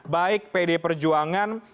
baik pd perjuangan